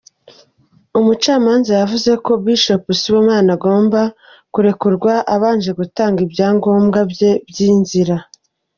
Umucamanza yavuze ko Bishop Sibomana agomba kurekurwa abanje gutanga ibyangombwa bye by’inzira.